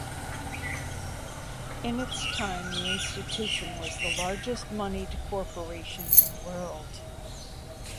In its time, the institution was the largest monied corporation in the world.